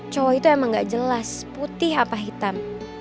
cowok itu emang gak jelas putih apa hitam